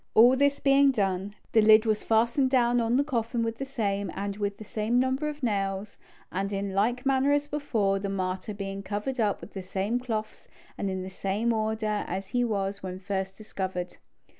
All this being done, the lid was fastened down on the coffin with the same, and with the same number of nails, and in like manner as before, the martyr being covered up with the same cloths and in the same order as he was when first discovered.